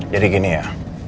jadi gini ya